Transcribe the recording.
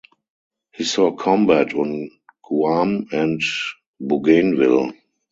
He saw combat on Guam and Bougainville.